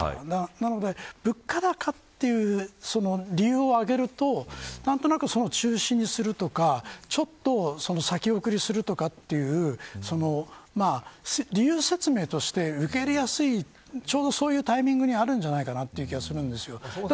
なので、物価高という理由を挙げると何となく中止にするとかちょっと先送りするとかという理由説明として受け入れやすいちょうどそういうタイミングにあるんじゃないかという気がするんです。